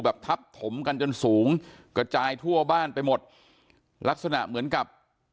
ทับถมกันจนสูงกระจายทั่วบ้านไปหมดลักษณะเหมือนกับ